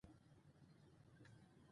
خو پیسې ډېر کارونه اسانه کوي.